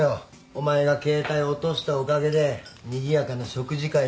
お前が携帯落としたおかげでにぎやかな食事会ができて。